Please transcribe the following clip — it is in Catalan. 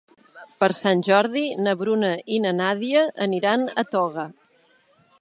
Per Sant Jordi na Bruna i na Nàdia aniran a Toga.